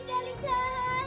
kamu tahu enggak